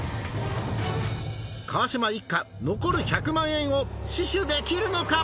川島一家残る１００万円を死守できるのか！？